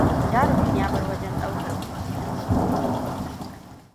Jarumin ya bar wajen ɗaukar fim cikin sauri.